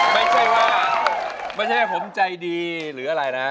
ไม่ใช่ว่าไม่ใช่ผมใจดีหรืออะไรนะ